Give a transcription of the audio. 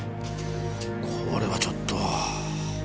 これはちょっと。